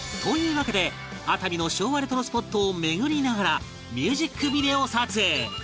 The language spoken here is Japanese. わけで熱海の昭和レトロスポットを巡りながらミュージックビデオ撮影